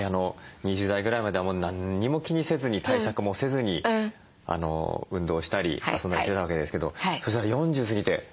２０代ぐらいまでは何も気にせずに対策もせずに運動したり遊んだりしてたわけですけどそうしたら４０過ぎてシミが。